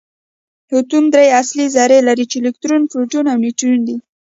اتوم درې اصلي ذرې لري چې الکترون پروټون او نیوټرون دي